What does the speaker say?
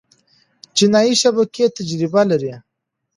جنایي شبکې تجربه لري.